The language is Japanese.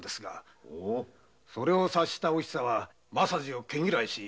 それを察したお久は政次を毛嫌いし。